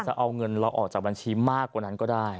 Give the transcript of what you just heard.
จะเอาเงินเราออกจากบัญชีมากกว่านั้นก็ได้